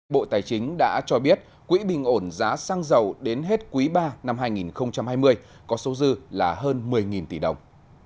bộ tài chính đã cho biết quỹ bình ổn giá xăng dầu đến hết quý ba năm hai nghìn hai mươi có số dư là hơn một mươi tỷ đồng